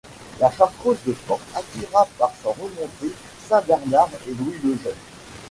La chartreuse de Portes attira par sa renommée saint Bernard et Louis le Jeune.